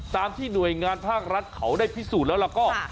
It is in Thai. ตามที่หน่วยงานภาครัฐเขาได้พิสูจน์แล้วแล้วก็